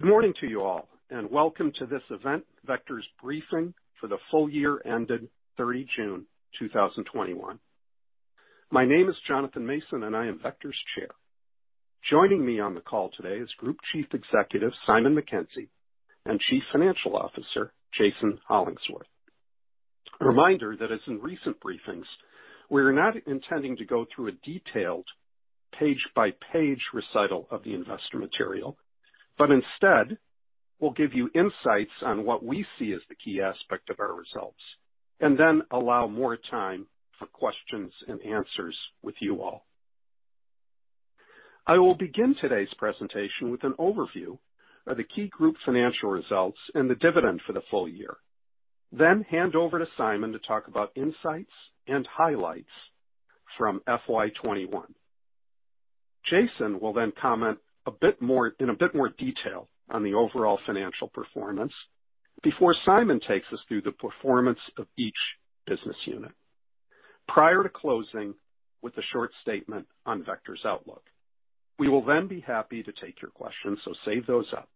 Good morning to you all, and welcome to this event, Vector's briefing for the full year ended 30 June 2021. My name is Jonathan Mason, and I am Vector's Chair. Joining me on the call today is Group Chief Executive, Simon Mackenzie, and Chief Financial Officer, Jason Hollingworth. A reminder that as in recent briefings, we are not intending to go through a detailed page-by-page recital of the investor material, but instead, we'll give you insights on what we see as the key aspect of our results, and then allow more time for questions and answers with you all. I will begin today's presentation with an overview of the key group financial results and the dividend for the full year. Then hand over to Simon to talk about insights and highlights from FY 2021. Jason will then comment in a bit more detail on the overall financial performance before Simon takes us through the performance of each business unit, prior to closing with a short statement on Vector's outlook. We will then be happy to take your questions, so save those up.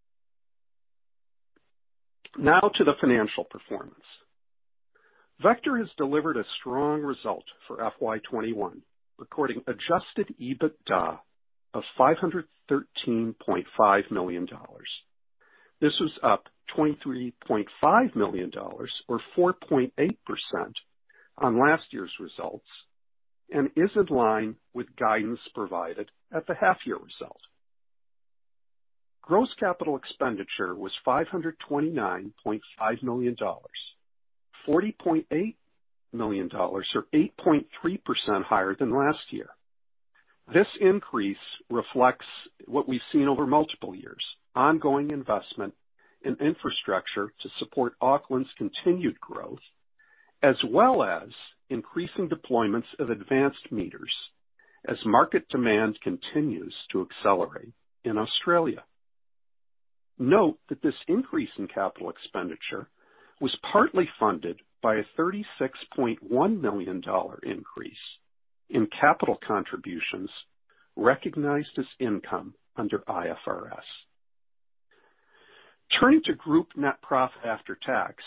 Now to the financial performance. Vector has delivered a strong result for FY 2021, recording adjusted EBITDA of 513.5 million dollars. This was up 23.5 million dollars or 4.8% on last year's results and is in line with guidance provided at the half year result. Gross capital expenditure was 529.5 million dollars. 40.8 million dollars or 8.3% higher than last year. This increase reflects what we've seen over multiple years, ongoing investment in infrastructure to support Auckland's continued growth, as well as increasing deployments of advanced meters as market demand continues to accelerate in Australia. Note that this increase in capital expenditure was partly funded by a 36.1 million dollar increase in capital contributions recognized as income under IFRS. Turning to group net profit after tax,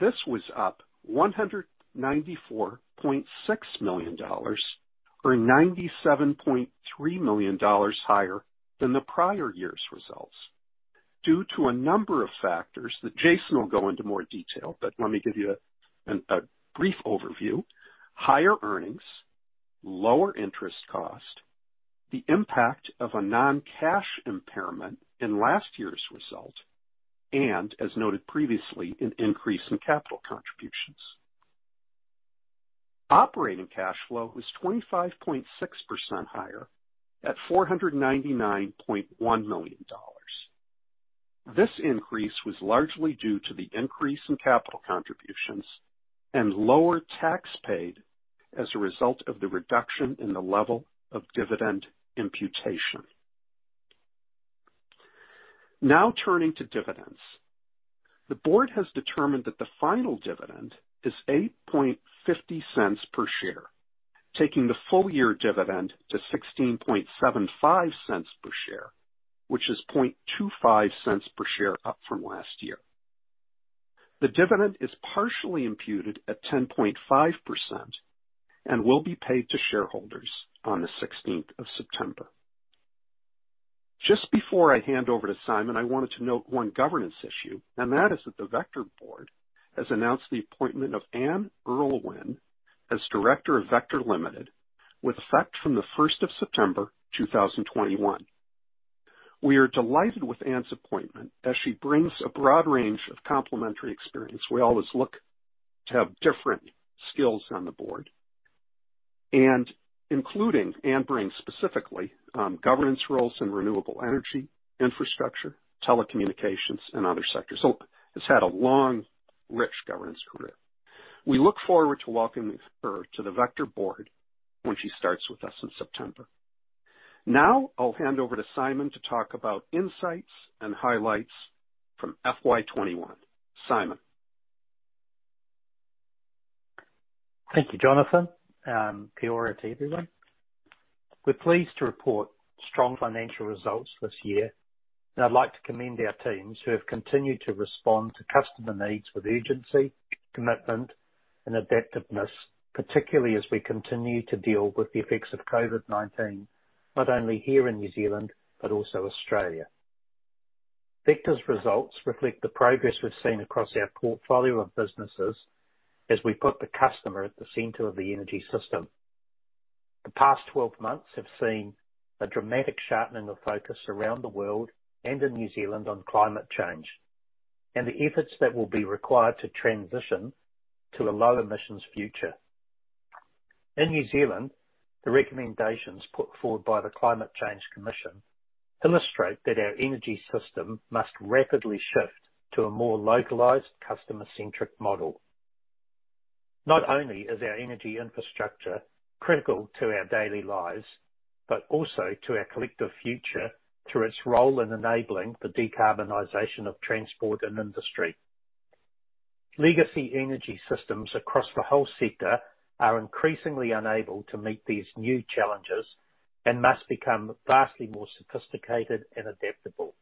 this was up 194.6 million dollars or 97.3 million dollars higher than the prior year's results due to a number of factors that Jason will go into more detail, but let me give you a brief overview. Higher earnings, lower interest cost, the impact of a non-cash impairment in last year's result, and as noted previously, an increase in capital contributions. Operating cash flow was 25.6% higher at 499.1 million dollars. This increase was largely due to the increase in capital contributions and lower tax paid as a result of the reduction in the level of dividend imputation. Turning to dividends. The board has determined that the final dividend is 0.0850 per share, taking the full year dividend to 0.1675 per share, which is 0.0025 per share up from last year. The dividend is partially imputed at 10.5% and will be paid to shareholders on the 16th of September. Just before I hand over to Simon, I wanted to note one governance issue, that is that the Vector board has announced the appointment of Anne Urlwin as Director of Vector Limited with effect from the 1st of September 2021. We are delighted with Anne's appointment as she brings a broad range of complementary experience. We always look to have different skills on the board, and including Anne brings specifically, governance roles in renewable energy, infrastructure, telecommunications, and other sectors. She has had a long, rich governance career. We look forward to welcoming her to the Vector board when she starts with us in September. Now, I'll hand over to Simon to talk about insights and highlights from FY 2021. Simon. Thank you, Jonathan [Non-English-content] to everyone. We're pleased to report strong financial results this year. Now I'd like to commend our teams who have continued to respond to customer needs with urgency, commitment and adaptiveness, particularly as we continue to deal with the effects of COVID-19, not only here in New Zealand, but also Australia. Vector's results reflect the progress we've seen across our portfolio of businesses as we put the customer at the center of the energy system. The past 12 months have seen a dramatic sharpening of focus around the world and in New Zealand on climate change, and the efforts that will be required to transition to a low emissions future. In New Zealand, the recommendations put forward by the Climate Change Commission illustrate that our energy system must rapidly shift to a more localized customer-centric model. Not only is our energy infrastructure critical to our daily lives, but also to our collective future through its role in enabling the decarbonization of transport and industry. Legacy energy systems across the whole sector are increasingly unable to meet these new challenges and must become vastly more sophisticated and adaptable.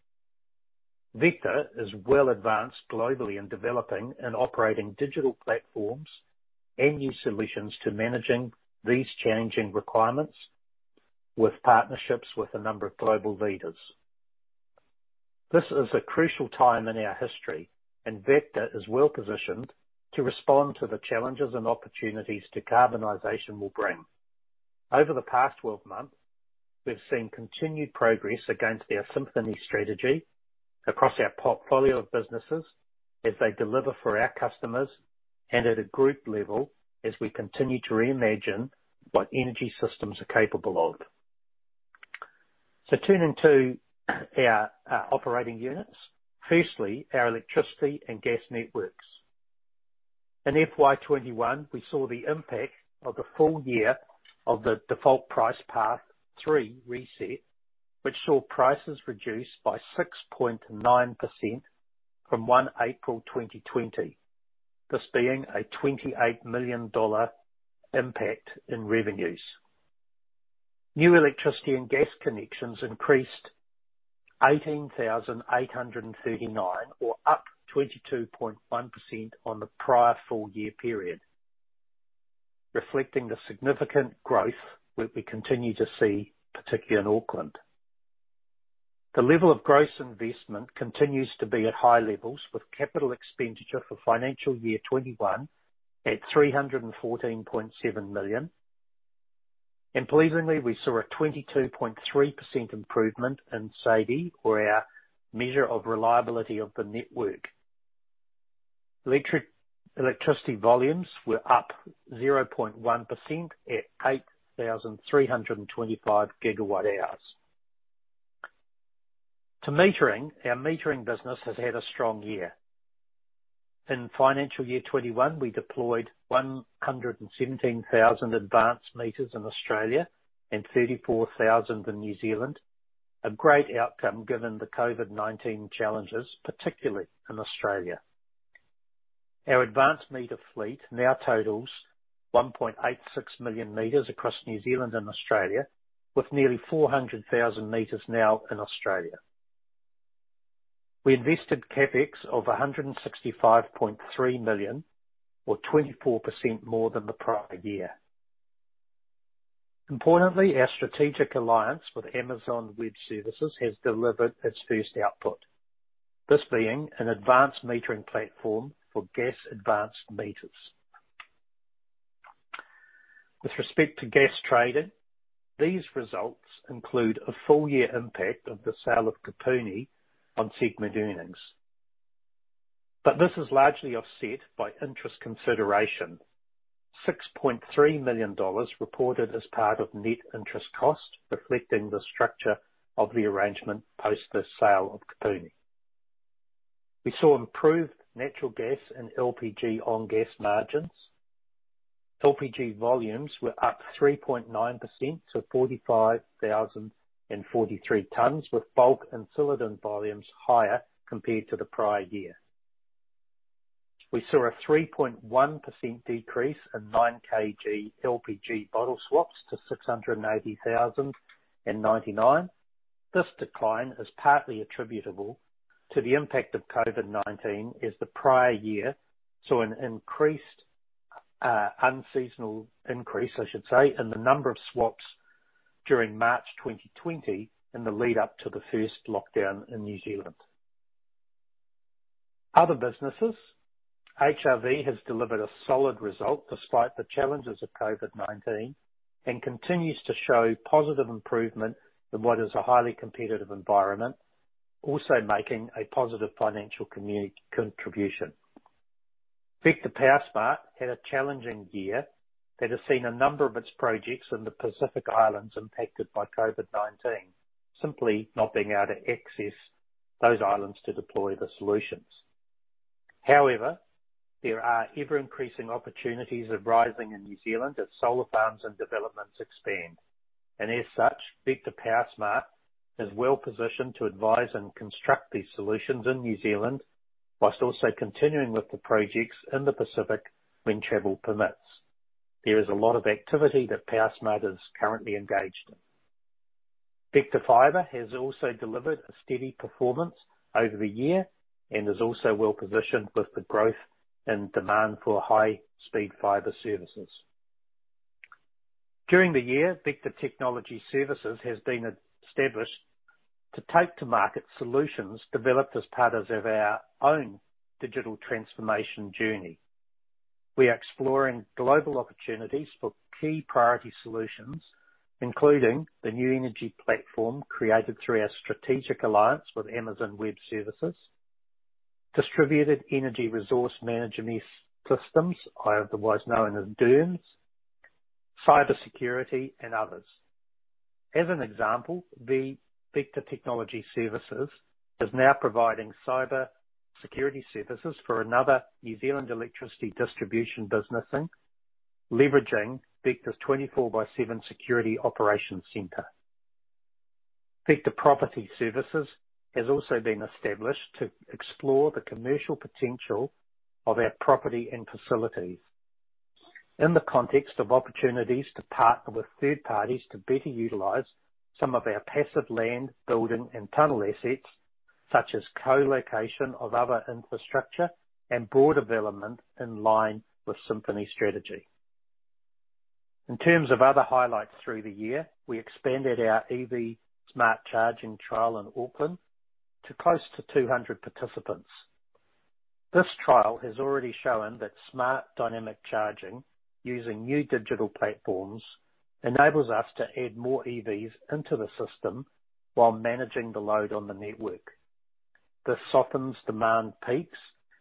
Vector is well advanced globally in developing and operating digital platforms and new solutions to managing these challenging requirements with partnerships with a number of global leaders. This is a crucial time in our history, Vector is well positioned to respond to the challenges and opportunities decarbonization will bring. Over the past 12 months, we've seen continued progress against our Symphony strategy across our portfolio of businesses as they deliver for our customers and at a group level as we continue to reimagine what energy systems are capable of. Turning to our operating units. Firstly, our electricity and gas networks. In FY 2021, we saw the impact of the full year of the Default Price-Quality Path 3 reset, which saw prices reduce by 6.9% from 1 April 2020, this being a 28 million dollar impact in revenues. New electricity and gas connections increased 18,839 or up 22.1% on the prior full year period, reflecting the significant growth which we continue to see, particularly in Auckland. The level of gross investment continues to be at high levels, with capital expenditure for FY 2021 at 314.7 million. Pleasingly, we saw a 22.3% improvement in SAIDI or our measure of reliability of the network. Electricity volumes were up 0.1% at 8,325 gigawatt hours. To metering. Our metering business has had a strong year. In FY 2021, we deployed 117,000 advanced meters in Australia and 34,000 in New Zealand. A great outcome given the COVID-19 challenges, particularly in Australia. Our advanced meter fleet now totals 1.86 million meters across New Zealand and Australia, with nearly 400,000 meters now in Australia. We invested CapEx of 165.3 million or 24% more than the prior year. Importantly, our strategic alliance with Amazon Web Services has delivered its first output, this being an advanced metering platform for gas advanced meters. With respect to gas trading, these results include a full year impact of the sale of Kapuni on segment earnings. This is largely offset by interest consideration. 6.3 million dollars reported as part of net interest cost, reflecting the structure of the arrangement post the sale of Kapuni. We saw improved natural gas and LPG on gas margins. LPG volumes were up 3.9%, 45,043 tons, with bulk and cylinder volumes higher compared to the prior year. We saw a 3.1% decrease in 9 kg LPG bottle swaps to 680,099. This decline is partly attributable to the impact of COVID-19 as the prior year saw an increased, unseasonal increase, I should say, in the number of swaps during March 2020 in the lead up to the first lockdown in New Zealand. Other businesses. HRV has delivered a solid result despite the challenges of COVID-19, and continues to show positive improvement in what is a highly competitive environment, also making a positive financial community contribution. Vector PowerSmart had a challenging year that has seen a number of its projects in the Pacific Islands impacted by COVID-19, simply not being able to access those islands to deploy the solutions. However, there are ever increasing opportunities arising in New Zealand as solar farms and developments expand. As such, Vector PowerSmart is well positioned to advise and construct these solutions in New Zealand whilst also continuing with the projects in the Pacific when travel permits. There is a lot of activity that PowerSmart is currently engaged in. Vector Fibre has also delivered a steady performance over the year and is also well positioned with the growth in demand for high-speed fibre services. During the year, Vector Technology Solutions has been established to take to market solutions developed as part of our own digital transformation journey. We are exploring global opportunities for key priority solutions, including the new energy platform created through our strategic alliance with Amazon Web Services, Distributed Energy Resource Management Systems, otherwise known as DERMS, cybersecurity and others. As an example, Vector Technology Solutions is now providing cybersecurity services for another New Zealand electricity distribution business, leveraging Vector's 24/7 security operations center. Vector Property Services has also been established to explore the commercial potential of our property and facilities in the context of opportunities to partner with third parties to better utilize some of our passive land, building, and tunnel assets, such as co-location of other infrastructure and broad development in line with Symphony strategy. In terms of other highlights through the year, we expanded our EV smart charging trial in Auckland to close to 200 participants. This trial has already shown that smart dynamic charging using new digital platforms enables us to add more EVs into the system while managing the load on the network. This softens demand peaks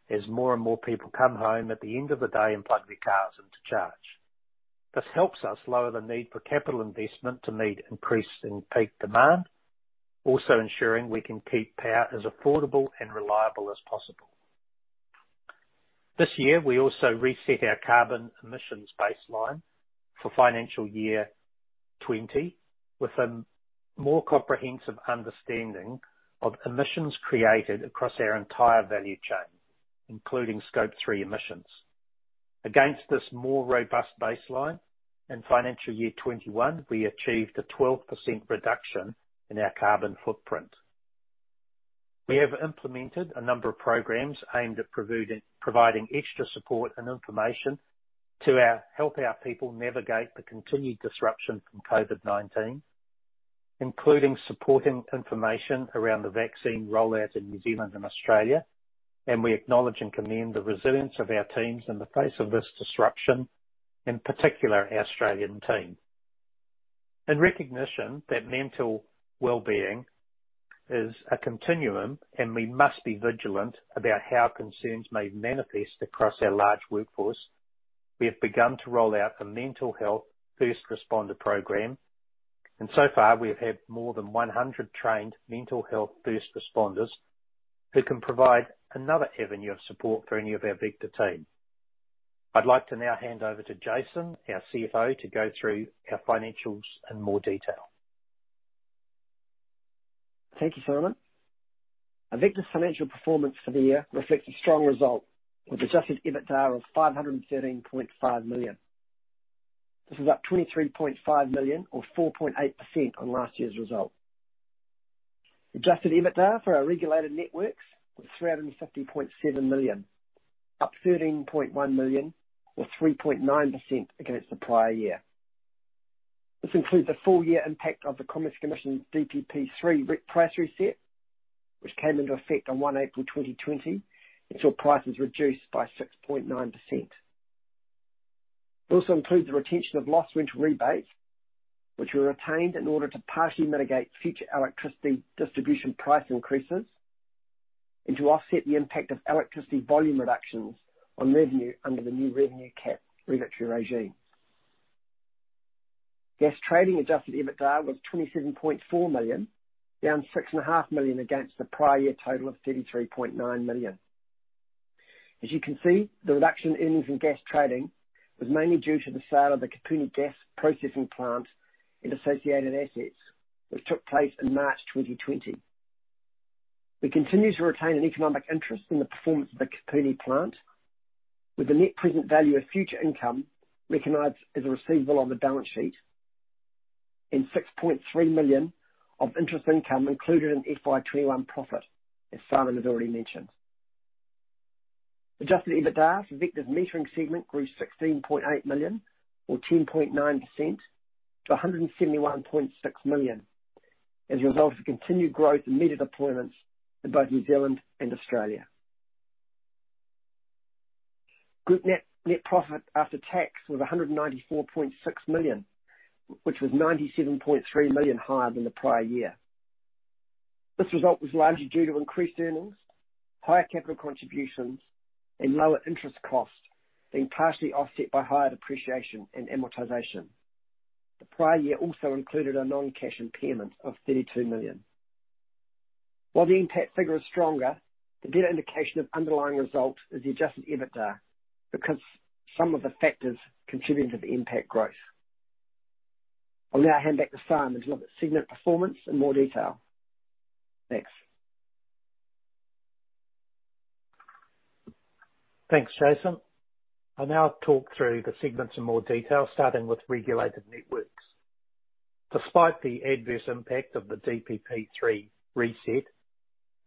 as more and more people come home at the end of the day and plug their cars in to charge. This helps us lower the need for capital investment to meet increasing peak demand, also ensuring we can keep power as affordable and reliable as possible. This year, we also reset our carbon emissions baseline for financial year 2020 with a more comprehensive understanding of emissions created across our entire value chain, including Scope 3 emissions. Against this more robust baseline, in financial year 2021, we achieved a 12% reduction in our carbon footprint. We have implemented a number of programs aimed at providing extra support and information to help our people navigate the continued disruption from COVID-19, including supporting information around the vaccine rollout in New Zealand and Australia, and we acknowledge and commend the resilience of our teams in the face of this disruption. In particular, our Australian team. In recognition that mental wellbeing is a continuum and we must be vigilant about how concerns may manifest across our large workforce, we have begun to roll out the Mental Health First Responder program. So far, we have had more than 100 trained mental health first responders who can provide another avenue of support for any of our Vector team. I'd like to now hand over to Jason, our CFO, to go through our financials in more detail. Thank you, Simon. Vector's financial performance for the year reflects a strong result with adjusted EBITDA of 513.5 million. This is up 23.5 million or 4.8% on last year's result. Adjusted EBITDA for our regulated networks was 350.7 million, up 13.1 million or 3.9% against the prior year. This includes the full year impact of the Commerce Commission's DPP3 price reset, which came into effect on 1 April 2020 and saw prices reduced by 6.9%. It also includes the retention of lost winter rebates, which were retained in order to partially mitigate future electricity distribution price increases and to offset the impact of electricity volume reductions on revenue under the new revenue cap regulatory regime. Gas trading adjusted EBITDA was 27.4 million, down 6.5 million against the prior year total of 33.9 million. As you can see, the reduction in earnings and gas trading was mainly due to the sale of the Kapuni gas processing plant and associated assets, which took place in March 2020. We continue to retain an economic interest in the performance of the Kapuni plant, with the net present value of future income recognized as a receivable on the balance sheet and 6.3 million of interest income included in FY 2021 profit, as Simon has already mentioned. Adjusted EBITDA for Vector's metering segment grew 16.8 million or 10.9% to 171.6 million as a result of continued growth in meter deployments in both New Zealand and Australia. Group net profit after tax was 194.6 million, which was 97.3 million higher than the prior year. This result was largely due to increased earnings, higher capital contributions, and lower interest cost being partially offset by higher depreciation and amortization. The prior year also included a non-cash impairment of 32 million. While the NPAT figure is stronger, the better indication of underlying result is the adjusted EBITDA because some of the factors contributing to the NPAT growth. I'll now hand back to Simon to look at segment performance in more detail. Thanks. Thanks, Jason. I will now talk through the segments in more detail, starting with Regulated Networks. Despite the adverse impact of the DPP3 reset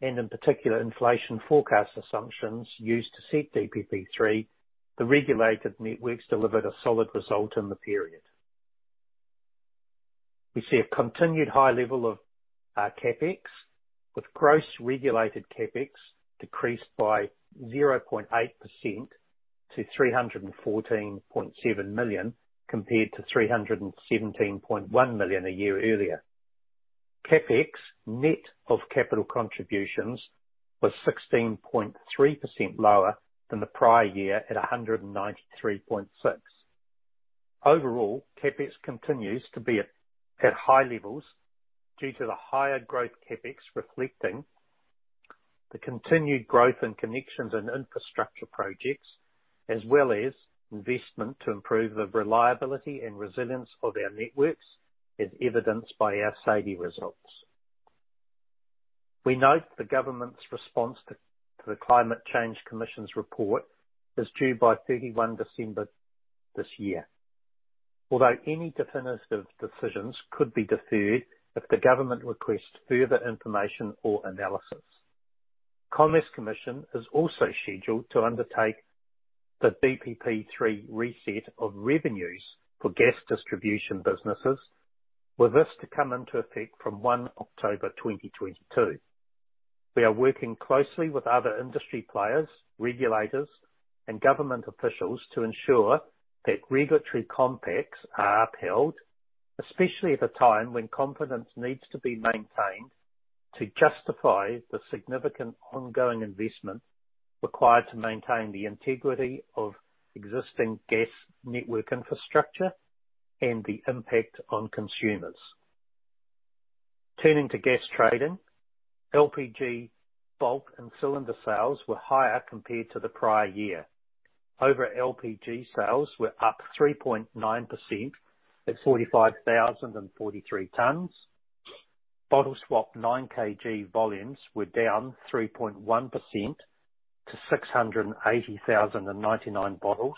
and in particular, inflation forecast assumptions used to set DPP3, the Regulated Networks delivered a solid result in the period. We see a continued high level of our CapEx, with gross regulated CapEx decreased by 0.8% to 314.7 million compared to 317.1 million a year earlier. CapEx net of capital contributions was 16.3% lower than the prior year at 193.6. Overall, CapEx continues to be at high levels due to the higher growth CapEx reflecting the continued growth in connections and infrastructure projects, as well as investment to improve the reliability and resilience of our networks, as evidenced by our SAIDI results. We note the government's response to the Climate Change Commission's report is due by 31 December this year. Although any definitive decisions could be deferred if the government requests further information or analysis. Commerce Commission is also scheduled to undertake the DPP3 reset of revenues for gas distribution businesses, with this to come into effect from 1 October 2022. We are working closely with other industry players, regulators, and government officials to ensure that regulatory compacts are upheld, especially at a time when confidence needs to be maintained to justify the significant ongoing investment required to maintain the integrity of existing gas network infrastructure and the impact on consumers. Turning to gas trading, LPG bulk and cylinder sales were higher compared to the prior year. LPG sales were up 3.9% at 45,043 tons. Bottle swap 9 kg volumes were down 3.1% to 680,099 bottles.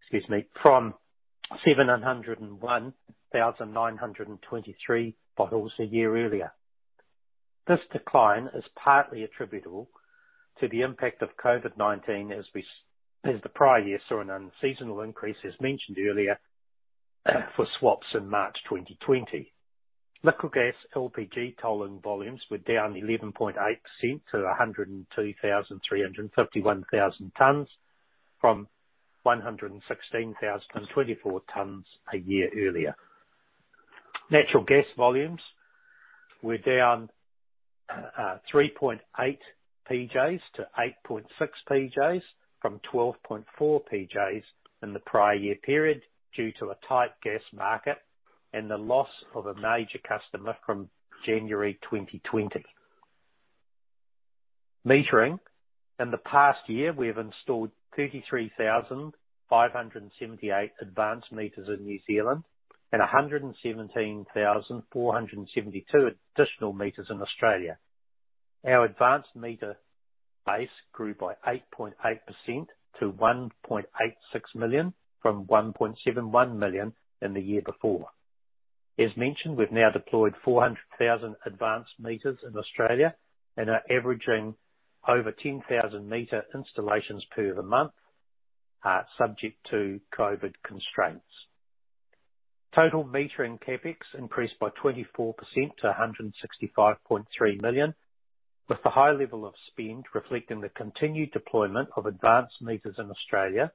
Excuse me, from 701,923 bottles a year earlier. This decline is partly attributable to the impact of COVID-19 as the prior year saw an unseasonal increase, as mentioned earlier, for swaps in March 2020. Liquid gas LPG tolling volumes were down 11.8% to 102,351 tons from 116,024 tons a year earlier. Natural gas volumes were down 3.8 PJs to 8.6 PJs from 12.4 PJs in the prior year period due to a tight gas market and the loss of a major customer from January 2020. Metering. In the past year, we have installed 33,578 advanced meters in New Zealand and 117,472 additional meters in Australia. Our advanced meter base grew by 8.8% to 1.86 million from 1.71 million in the year before. As mentioned, we've now deployed 400,000 advanced meters in Australia and are averaging over 10,000 meter installations per month, subject to COVID constraints. Total metering CapEx increased by 24% to 165.3 million, with the high level of spend reflecting the continued deployment of advanced meters in Australia,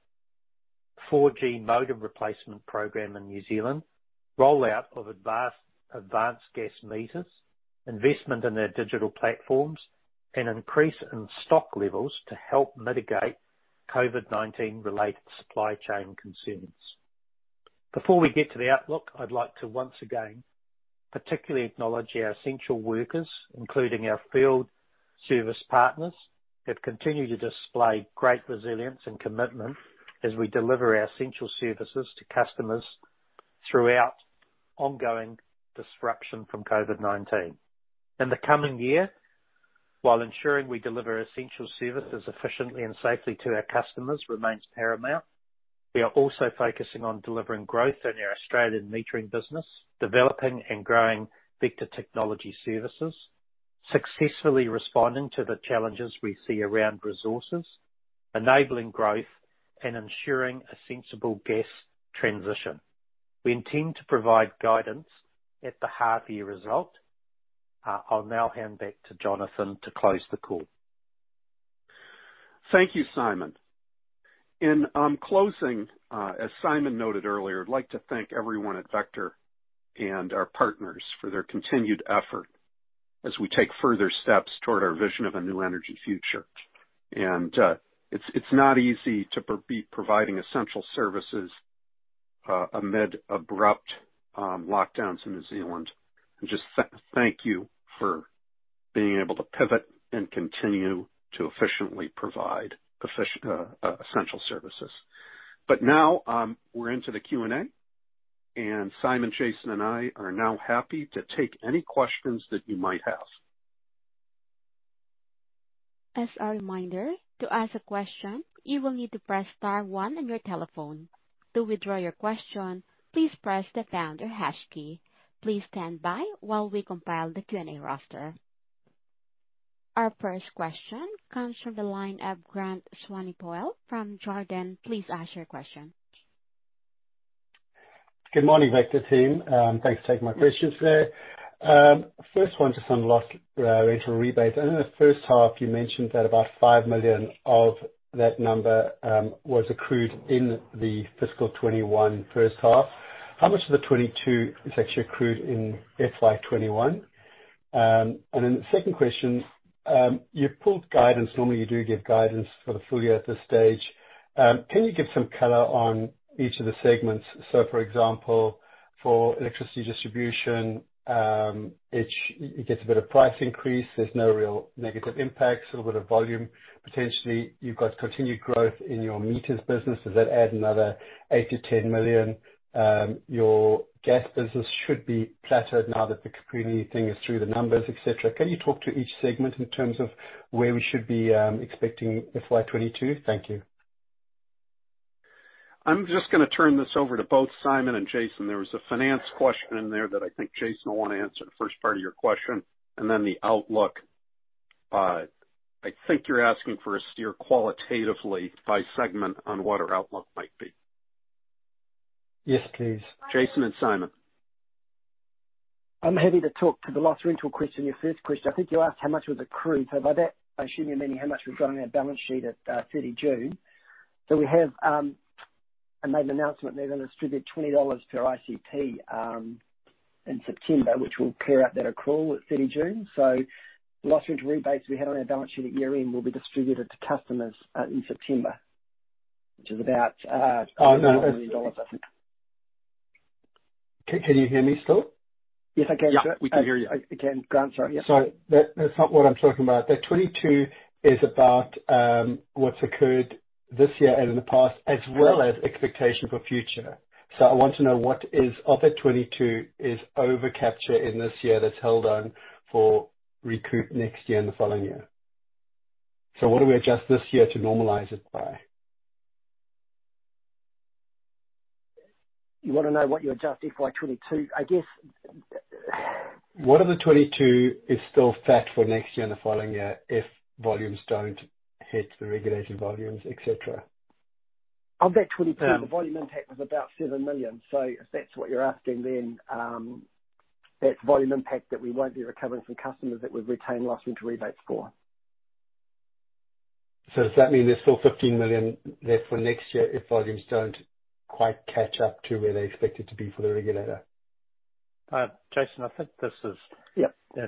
4G modem replacement program in New Zealand, rollout of advanced gas meters, investment in their digital platforms, and increase in stock levels to help mitigate COVID-19 related supply chain concerns. Before we get to the outlook, I'd like to once again, particularly acknowledge our essential workers, including our field service partners, who have continued to display great resilience and commitment as we deliver our essential services to customers throughout ongoing disruption from COVID-19. In the coming year, while ensuring we deliver essential services efficiently and safely to our customers remains paramount, we are also focusing on delivering growth in our Australian metering business, developing and growing Vector Technology services, successfully responding to the challenges we see around resources, enabling growth and ensuring a sensible gas transition. We intend to provide guidance at the half-year result. I'll now hand back to Jonathan to close the call. Thank you, Simon. In closing, as Simon noted earlier, I'd like to thank everyone at Vector and our partners for their continued effort as we take further steps toward our vision of a new energy future. It's not easy to be providing essential services amid abrupt lockdowns in New Zealand. Just thank you for being able to pivot and continue to efficiently provide essential services. Now, we're into the Q&A, and Simon, Jason, and I are now happy to take any questions that you might have. As a reminder, to ask a question, you will need to press star one on your telephone. To withdraw your question, please press the pound or hash key. Please stand by while we compile the Q&A roster. Our first question comes from the line of Grant Swanepoel from Jarden. Please ask your question. Good morning, Vector team. Thanks for taking my questions today. First one, just on loss rental rebates. I know in the first half you mentioned that about 5 million of that number was accrued in the Fiscal 2021 first half. How much of the 2022 is actually accrued in FY 2021? Second question. You've pulled guidance. Normally, you do give guidance for the full year at this stage. Can you give some color on each of the segments? For example, for electricity distribution, it gets a bit of price increase. There's no real negative impact, a little bit of volume potentially. You've got continued growth in your meters business. Does that add another 8 million-10 million? Your gas business should be flattered now that the Kapuni thing is through the numbers, et cetera. Can you talk to each segment in terms of where we should be expecting FY 2022? Thank you. I'm just going to turn this over to both Simon and Jason. There was a finance question in there that I think Jason will want to answer, the first part of your question, and then the outlook. I think you're asking for a steer qualitatively by segment on what our outlook might be. Yes, please. Jason and Simon. I'm happy to talk to the loss rental question, your first question. I think you asked how much was accrued. By that, I assume you're meaning how much we've got on our balance sheet at 30 June. We have made an announcement there. We're going to distribute 20 dollars per ICP in September, which will clear out that accrual at 30 June. The loss rental rebates we had on our balance sheet at year-end will be distributed to customers in September. Oh, no. 100 million, I think. Can you hear me still? Yes, I can. Yeah, we can hear you. I can. Go on, sorry. Yeah. Sorry, that's not what I'm talking about. That 22 is about what's occurred this year and in the past, as well as expectation for future. I want to know what is, of that 22, is over capture in this year that's held on for recoup next year and the following year. What do we adjust this year to normalize it by? You want to know what you adjust FY 2022? I guess. What of the 22 is still fat for next year and the following year if volumes don't hit the regulated volumes, et cetera? Of that 22, the volume impact was about 7 million. If that's what you're asking, then that's volume impact that we won't be recovering from customers that we've retained loss rental rebates for. Does that mean there's still 15 million left for next year if volumes don't quite catch up to where they expect it to be for the regulator? Jason, Yeah.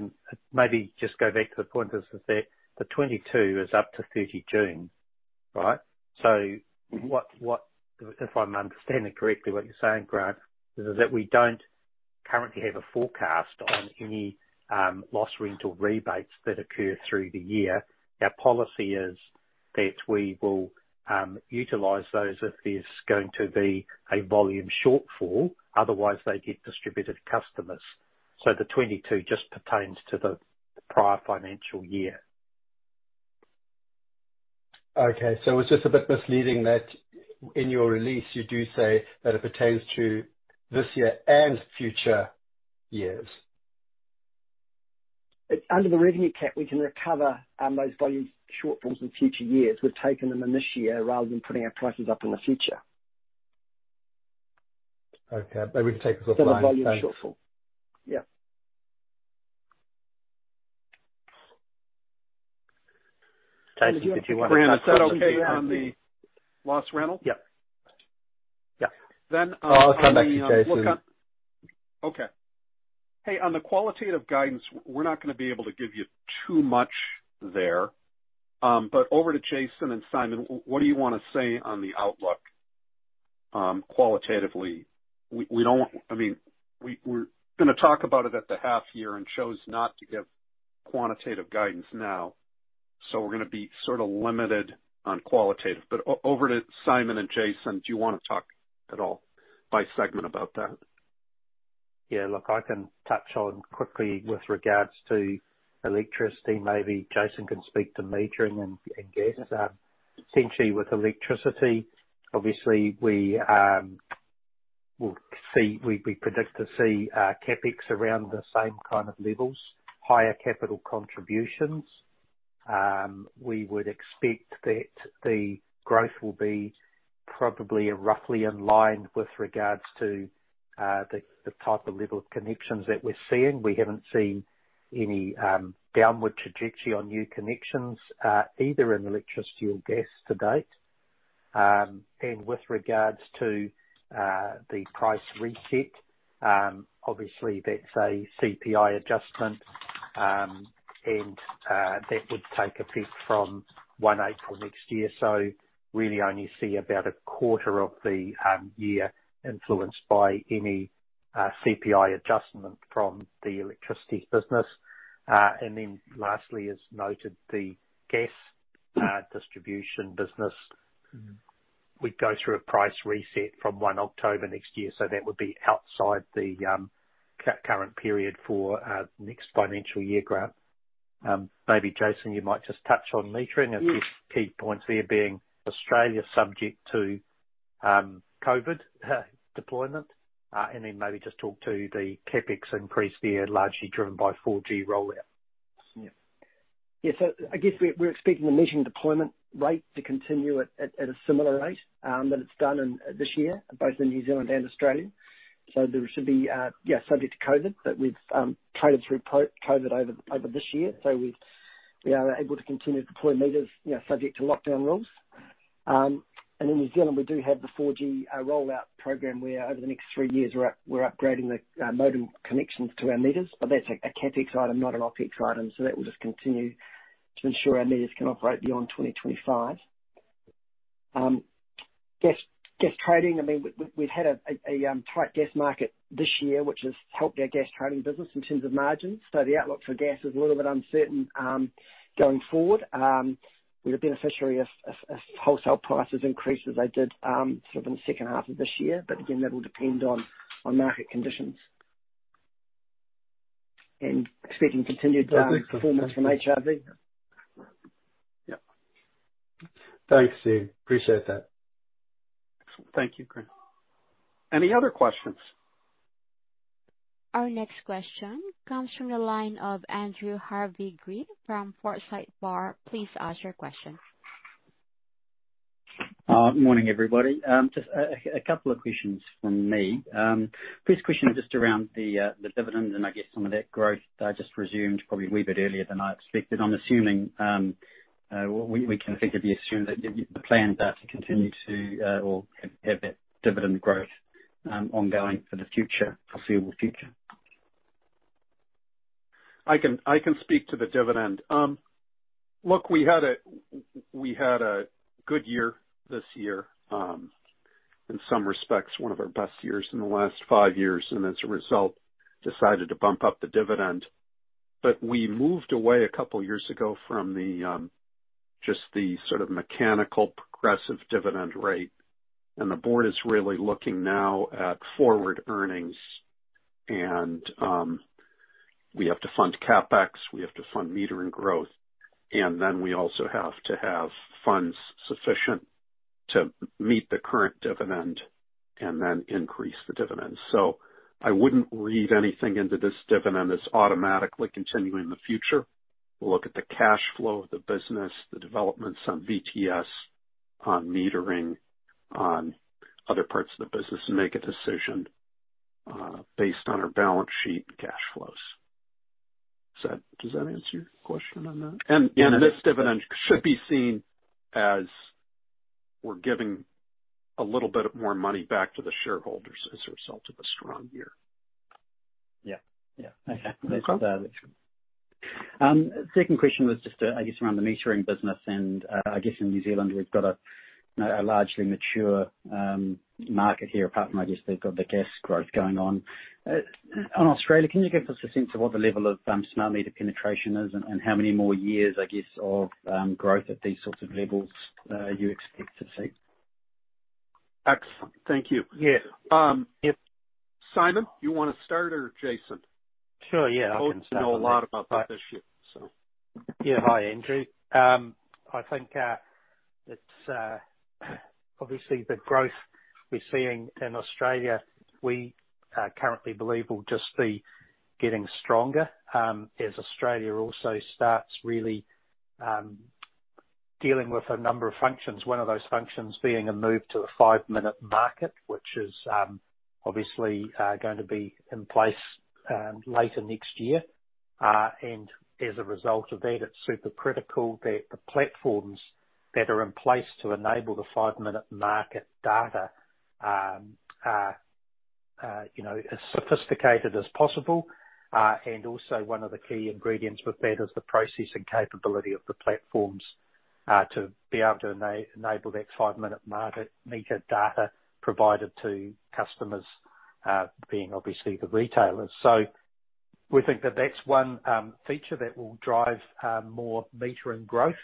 Maybe just go back to the point, is that the 22 is up to 30 June, right? If I'm understanding correctly what you're saying, Grant, is that we don't currently have a forecast on any loss rental rebates that occur through the year. Our policy is that we will utilize those if there's going to be a volume shortfall. Otherwise, they get distributed to customers. The 22 just pertains to the prior financial year. Okay. It's just a bit misleading that in your release, you do say that it pertains to this year and future years. Under the revenue cap, we can recover those volume shortfalls in future years. We've taken them in this year rather than putting our prices up in the future. Okay. Maybe take this offline then. The volume shortfall. Yeah. Jason. Grant, is that okay on the loss rental? Yeah. Yeah. Then on the, um- I'll come back to you, Jason. Okay. Hey, on the qualitative guidance, we're not going to be able to give you too much there. Over to Jason and Simon, what do you want to say on the outlook, qualitatively? I mean, we're going to talk about it at the half year and chose not to give quantitative guidance now, so we're going to be sort of limited on qualitative. Over to Simon and Jason, do you want to talk at all by segment about that? Yeah. Look, I can touch on quickly with regards to electricity. Maybe Jason can speak to metering and gas. Essentially with electricity, obviously, we predict to see CapEx around the same kind of levels, higher capital contributions. We would expect that the growth will be probably roughly in line with regards to the type of level of connections that we're seeing. We haven't seen any downward trajectory on new connections either in electricity or gas to date. With regards to the price reset, obviously that's a CPI adjustment, and that would take effect from 1 April next year. Really only see about a quarter of the year influenced by any CPI adjustment from the electricity business. Then lastly, as noted, the gas distribution business would go through a price reset from 1 October next year. That would be outside the current period for next financial year, Grant. Maybe Jason, you might just touch on metering. Yeah. I guess key points there being Australia subject to, COVID deployment. Maybe just talk to the CapEx increase there, largely driven by 4G rollout. I guess we're expecting the metering deployment rate to continue at a similar rate that it's done in this year, both in New Zealand and Australia. There should be, subject to COVID, but we've traded through post-COVID over this year. We are able to continue to deploy meters, you know, subject to lockdown rules. In New Zealand, we do have the 4G rollout program where over the next three years we're upgrading the modem connections to our meters. That's a CapEx item, not an OpEx item. That will just continue to ensure our meters can operate beyond 2025. Gas trading, we've had a tight gas market this year, which has helped our gas trading business in terms of margins. The outlook for gas is a little bit uncertain, going forward. We're a beneficiary if wholesale prices increase as they did sort of in the second half of this year. Again, that will depend on market conditions. And expecting continued performance from HRV. Yeah. Thanks, team. Appreciate that. Thank you, Grant. Any other questions? Our next question comes from the line of Andrew Harvey-Green from Forsyth Barr. Please ask your question. Morning, everybody. Just a couple of questions from me. First question is just around the dividend and I guess some of that growth that just resumed probably a wee bit earlier than I expected. I'm assuming, we can fairly assume that the plans are to continue to or have that dividend growth ongoing for the foreseeable future. I can speak to the dividend. Look, we had a good year this year. In some respects, one of our best years in the last five years, as a result, decided to bump up the dividend. We moved away two years ago from just the sort of mechanical progressive dividend rate. The board is really looking now at forward earnings. We have to fund CapEx, we have to fund metering growth, and then we also have to have funds sufficient to meet the current dividend and then increase the dividend. I wouldn't read anything into this dividend that's automatically continuing in the future. We'll look at the cash flow of the business, the developments on VTS, on metering, on other parts of the business and make a decision based on our balance sheet and cash flows. Does that answer your question on that? This dividend should be seen as we're giving a little bit of more money back to the shareholders as a result of a strong year. Yeah. Okay. No problem. That's good. Second question was just, I guess around the metering business and, I guess in New Zealand, we've got a largely mature market here, apart from, I guess, they've got the gas growth going on. On Australia, can you give us a sense of what the level of smart meter penetration is and how many more years, I guess, of growth at these sorts of levels you expect to see? Excellent. Thank you. Yeah. Simon, you want to start or Jason? Sure, yeah. I can start. Both know a lot about that issue, so. Yeah. Hi, Andrew. I think that obviously the growth we're seeing in Australia, we currently believe will just be getting stronger, as Australia also starts really dealing with a number of functions, one of those functions being a move to a five-minute market, which is obviously going to be in place later next year. As a result of that, it's super critical that the platforms that are in place to enable the five-minute market data are as sophisticated as possible. Also one of the key ingredients with that is the processing capability of the platforms, to be able to enable that five-minute meter data provided to customers, being obviously the retailers. We think that that's one feature that will drive more metering growth,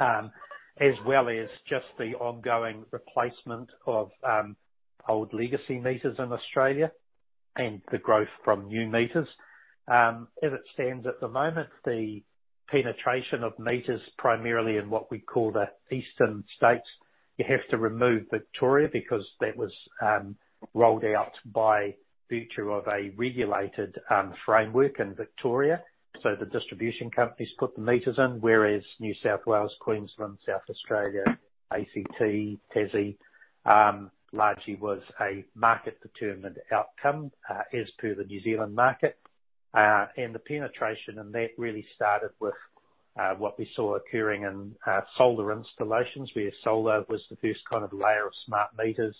as well as just the ongoing replacement of old legacy meters in Australia and the growth from new meters. As it stands at the moment, the penetration of meters, primarily in what we call the eastern states, you have to remove Victoria because that was rolled out by virtue of a regulated framework in Victoria. The distribution companies put the meters in, whereas New South Wales, Queensland, South Australia, ACT, Tassie, largely was a market-determined outcome, as per the New Zealand market. The penetration in that really started with what we saw occurring in solar installations where solar was the first kind of layer of smart meters,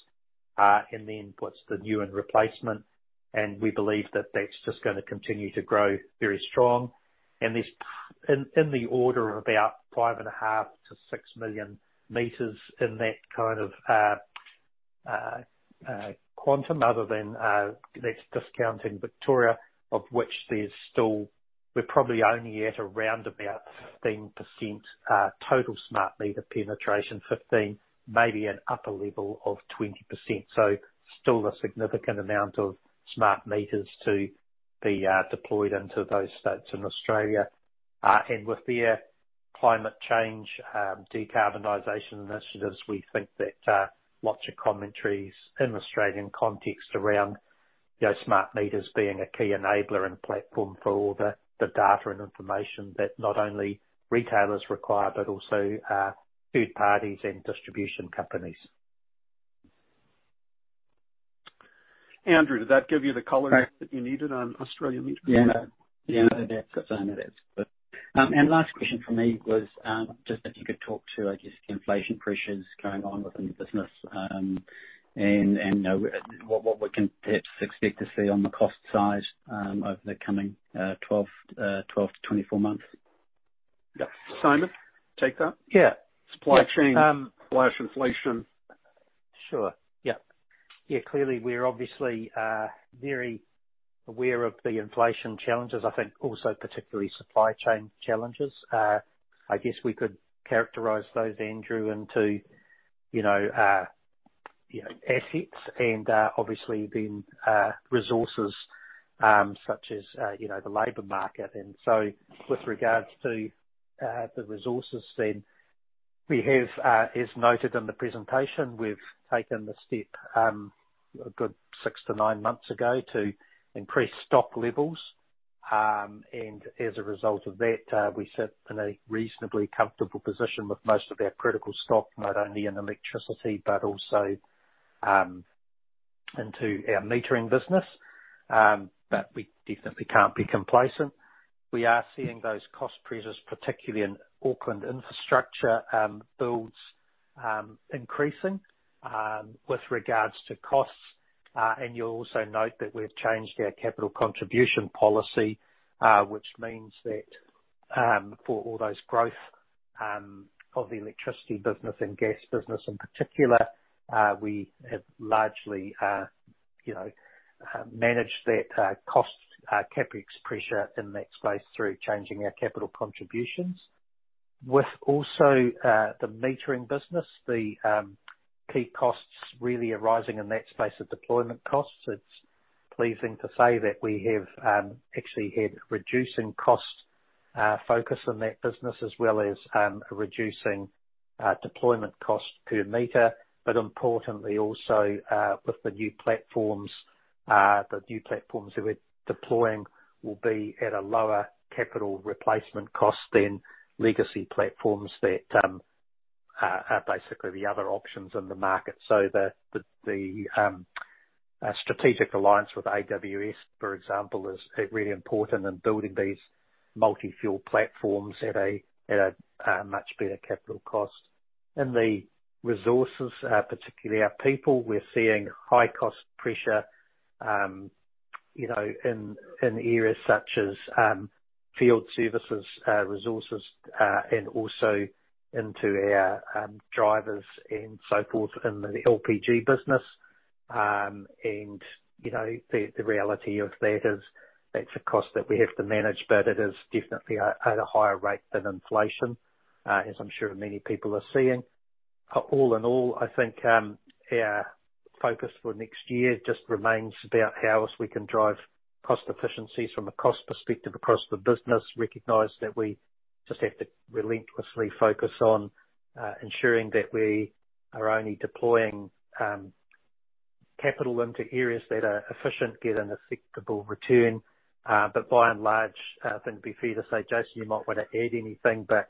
and then what's the new and replacement. We believe that that's just going to continue to grow very strong. There's in the order of about 5.5 million-6 million meters in that kind of quantum, that's discounting Victoria, of which we're probably only at around about 15%, total smart meter penetration 15%, maybe an upper level of 20%. Still a significant amount of smart meters to be deployed into those states in Australia. With their climate change decarbonization initiatives, we think that lots of commentaries in the Australian context around smart meters being a key enabler and platform for all the data and information that not only retailers require, but also third parties and distribution companies. Andrew, did that give you the colors that you needed on Australian meter? Yeah. That's good. Last question from me was, just if you could talk to, I guess, the inflation pressures going on within the business, and what we can perhaps expect to see on the cost side over the coming 12-24 months? Yeah. Simon, take that? Yeah. Supply chain/inflation. Sure. Yeah. Clearly, we're obviously very aware of the inflation challenges, I think also particularly supply chain challenges. I guess we could characterize those, Andrew, into assets and obviously then resources, such as the labor market. With regards to the resources then, as noted in the presentation, we've taken the step a good six to nine months ago to increase stock levels. As a result of that, we sit in a reasonably comfortable position with most of our critical stock, not only in electricity but also into our metering business. We definitely can't be complacent. We are seeing those cost pressures, particularly in Auckland infrastructure builds, increasing. With regards to costs, you'll also note that we've changed our capital contribution policy, which means that, for all those growth of the electricity business and gas business in particular, we have largely managed that cost CapEx pressure in that space through changing our capital contributions. With also the metering business, the key costs really arising in that space are deployment costs. It's pleasing to say that we have actually had reducing cost focus in that business, as well as reducing deployment cost per meter. Importantly also, with the new platforms that we're deploying will be at a lower capital replacement cost than legacy platforms that are basically the other options in the market. The strategic alliance with AWS, for example, is really important in building these multi-fuel platforms at a much better capital cost. In the resources, particularly our people, we're seeing high cost pressure in areas such as field services resources, and also into our drivers and so forth in the LPG business. The reality of that is that's a cost that we have to manage, but it is definitely at a higher rate than inflation, as I'm sure many people are seeing. All in all, I think our focus for next year just remains about how else we can drive cost efficiencies from a cost perspective across the business, recognize that we just have to relentlessly focus on ensuring that we are only deploying capital into areas that are efficient, get an acceptable return. By and large, I think it'd be fair to say, Jason, you might want to add anything, but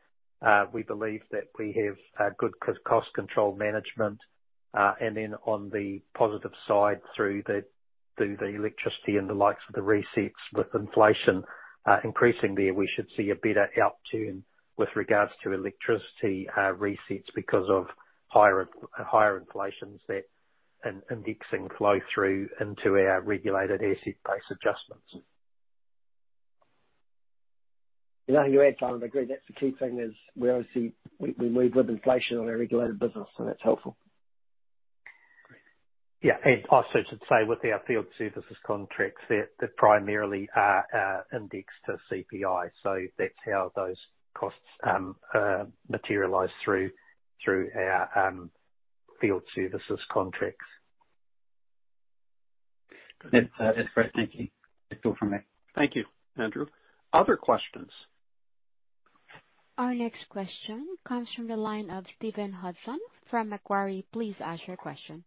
we believe that we have good cost control management. And then on the positive side, through the electricity and the likes of the resets with inflation increasing there, we should see a better upturn with regards to electricity resets because of higher inflations there and indexing flow through into our regulated asset base adjustments. Nothing to add, Simon. I agree, that's the key thing is we move with inflation on our regulated business, and that's helpful. Great. Yeah. Also to say with our field services contracts, they primarily are indexed to CPI. That's how those costs materialize through our field services contracts. That's great. Thank you. That's all from me. Thank you, Andrew. Other questions? Our next question comes from the line of Stephen Hudson from Macquarie. Please ask your question.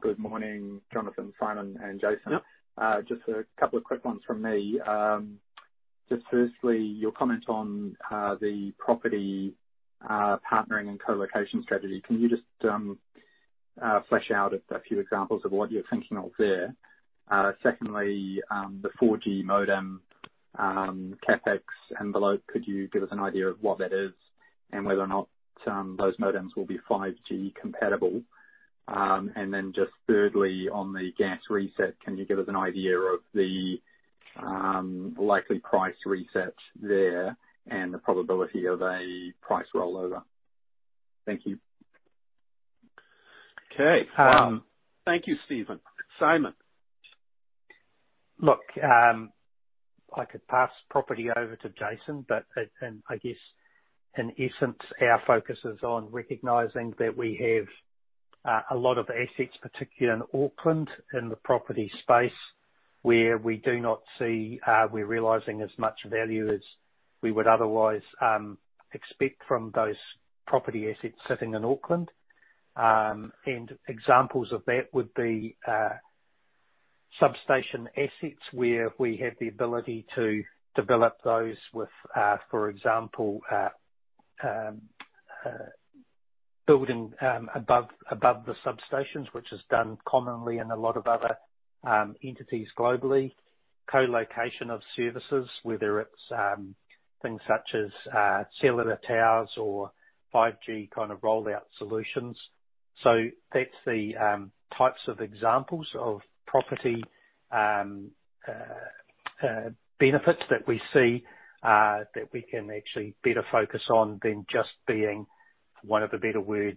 Good morning, Jonathan, Simon, and Jason. Yeah. Just a couple of quick ones from me. Just firstly, your comment on the property partnering and co-location strategy. Can you just flesh out a few examples of what you're thinking of there? Secondly, the 4G modem CapEx envelope. Could you give us an idea of what that is, and whether or not those modems will be 5G compatible? Just thirdly, on the gas reset, can you give us an idea of the likely price reset there and the probability of a price rollover? Thank you. Okay. Thank you, Stephen. Simon. Look, I could pass property over to Jason, but I guess in essence, our focus is on recognizing that we have a lot of assets, particularly in Auckland, in the property space, where we do not see we're realizing as much value as we would otherwise expect from those property assets sitting in Auckland. Examples of that would be substation assets where we have the ability to develop those with, for example, building above the substations, which is done commonly in a lot of other entities globally. Co-location of services, whether it's things such as cellular towers or 5G kind of rollout solutions. That's the types of examples of property benefits that we see, that we can actually better focus on than just being, for want of a better word,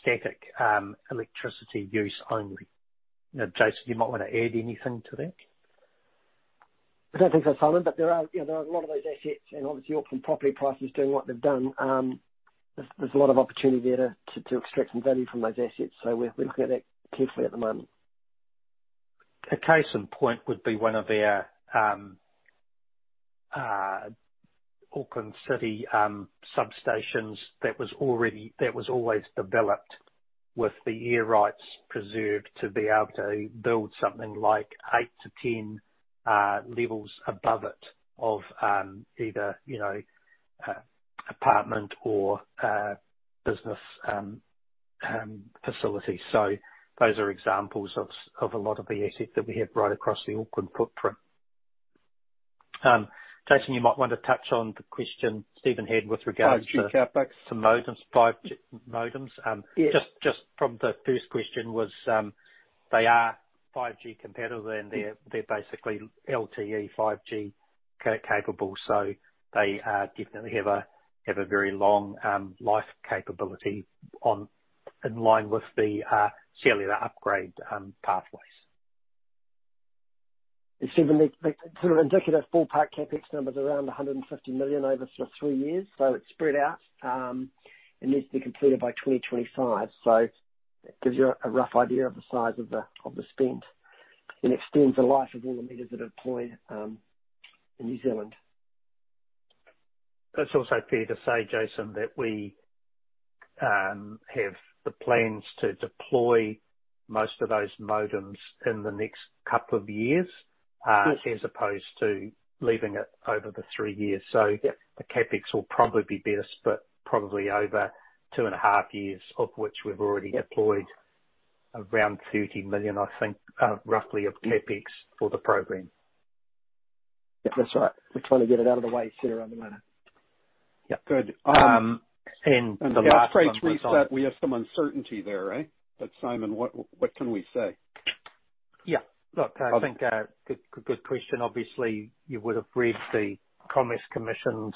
static electricity use only. Jason, you might want to add anything to that. I don't think so, Simon. There are a lot of those assets. Obviously Auckland property prices doing what they've done, there's a lot of opportunity there to extract some value from those assets. We're looking at that carefully at the moment. A case in point would be one of our Auckland city substations that was always developed with the air rights preserved to be able to build something like 8-10 levels above it of either apartment or business facilities. Those are examples of a lot of the assets that we have right across the Auckland footprint. Jason, you might want to touch on the question Stephen had. 5G CapEx. -to modems, 5G modems. Yeah. They are 5G compatible and they're basically LTE 5G capable. They definitely have a very long life capability in line with the cellular upgrade pathways. Stephen, the sort of indicative full CapEx number is around 150 million over three years. It's spread out. It needs to be completed by 2025. It gives you a rough idea of the size of the spend, and extends the life of all the meters that are deployed in New Zealand. It's also fair to say, Jason, that we have the plans to deploy most of those modems in the next couple of years. Yes. As opposed to leaving it over the three years. Yep. The CapEx will probably be better split probably over two and a half years, of which we've already deployed around 30 million, I think, roughly of CapEx for the program. Yeah, that's right. We're trying to get it out of the way sooner rather than later. Yeah. Good. The last one was on. On the upgrades we said we have some uncertainty there, eh? Simon, what can we say? Yeah. Look, I think, good question. Obviously, you would have read the Commerce Commission's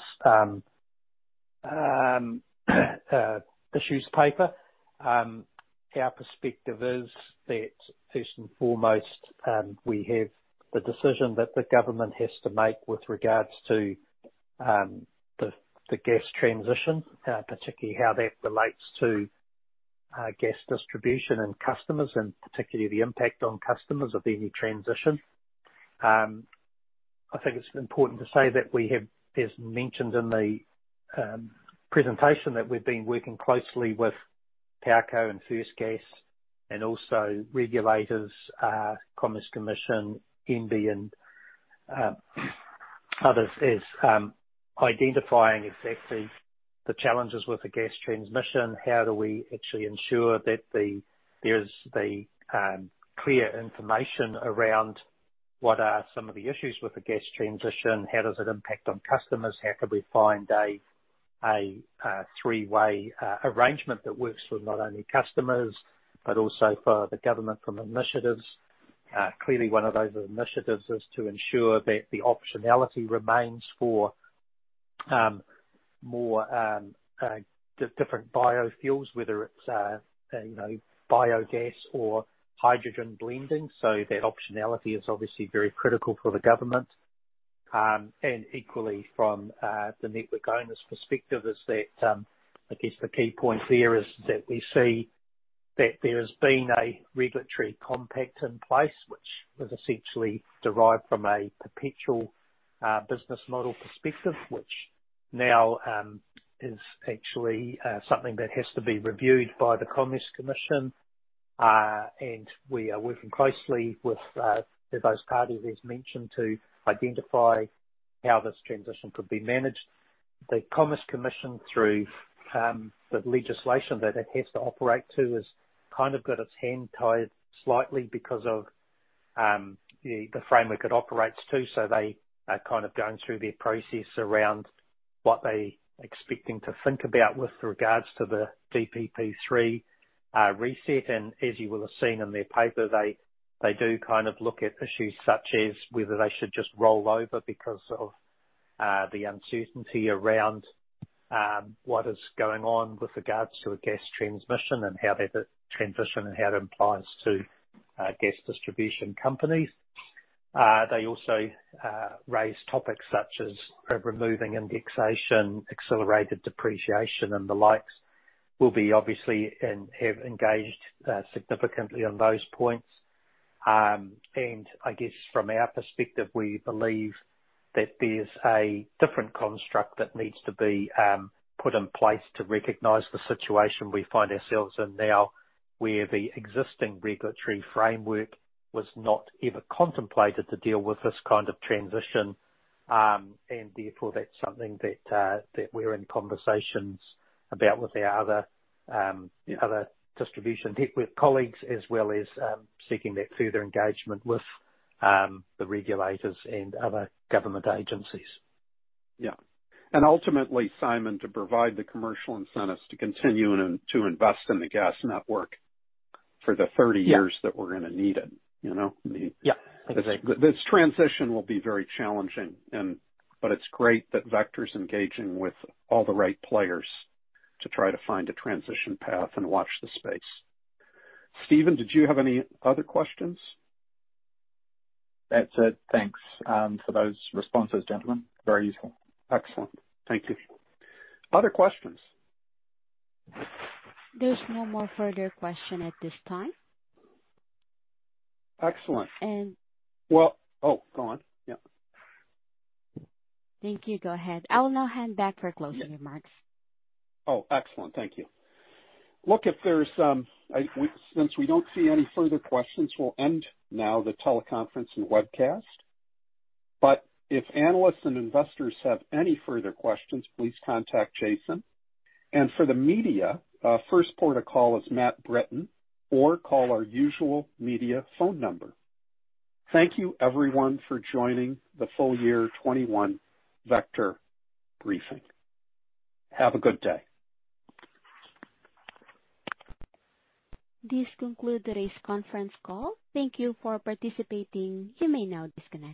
issues paper. Our perspective is that first and foremost, we have the decision that the government has to make with regards to the gas transition, particularly how that relates to gas distribution and customers, and particularly the impact on customers of any transition. I think it's important to say that we have, as mentioned in the presentation, that we've been working closely with Powerco and Firstgas and also regulators, Commerce Commission, MBIE and others as identifying exactly the challenges with the gas transmission. How do we actually ensure that there's the clear information around what are some of the issues with the gas transition? How does it impact on customers? How could we find a three-way arrangement that works for not only customers, but also for the government from initiatives? Clearly, one of those initiatives is to ensure that the optionality remains for more different biofuels, whether it's biogas or hydrogen blending. That optionality is obviously very critical for the government. Equally from the network owner's perspective is that, I guess the key point there is that we see that there has been a regulatory compact in place, which was essentially derived from a perpetual business model perspective, which now is actually something that has to be reviewed by the Commerce Commission. We are working closely with those parties as mentioned to identify how this transition could be managed. The Commerce Commission, through the legislation that it has to operate to, has kind of got its hand tied slightly because of the framework it operates to. They are kind of going through their process around what they expecting to think about with regards to the DPP3 reset. As you will have seen in their paper, they do kind of look at issues such as whether they should just roll over because of the uncertainty around what is going on with regards to a gas transmission and how that transition and how it applies to gas distribution companies. They also raise topics such as removing indexation, accelerated depreciation, and the likes. We'll be obviously and have engaged significantly on those points. I guess from our perspective, we believe that there's a different construct that needs to be put in place to recognize the situation we find ourselves in now, where the existing regulatory framework was not ever contemplated to deal with this kind of transition. Therefore, that's something that we're in conversations about with our other distribution network colleagues, as well as seeking that further engagement with the regulators and other government agencies. Yeah. Ultimately, Simon, to provide the commercial incentives to continue to invest in the gas network for the 30 years. Yeah. That we're going to need it. Yeah. Exactly. This transition will be very challenging. It's great that Vector's engaging with all the right players to try to find a transition path and watch the space. Stephen, did you have any other questions? That's it. Thanks for those responses, gentlemen. Very useful. Excellent. Thank you. Other questions? There's no more further question at this time. Excellent. And- Well, oh, go on. Yeah. Thank you. Go ahead. I will now hand back for closing remarks. Excellent. Thank you. Since we don't see any further questions, we'll end now the teleconference and webcast. If analysts and investors have any further questions, please contact Jason. For the media, first port of call is Matt Britton or call our usual media phone number. Thank you everyone for joining the full year 2021 Vector briefing. Have a good day. This concludes today's conference call. Thank you for participating. You may now disconnect.